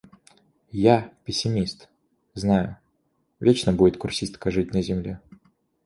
Я – пессимист, знаю — вечно будет курсистка жить на земле.